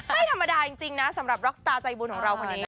ไม่ธรรมดาจริงนะสำหรับร็อกสตาร์ใจบุญของเราคนนี้